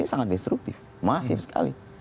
ini sangat destruktif masif sekali